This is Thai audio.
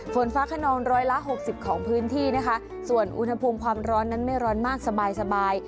ฝนฟ้าขนองร้อยละหกสิบของพื้นที่นะคะส่วนอุณหภูมิความร้อนนั้นไม่ร้อนมากสบายสบาย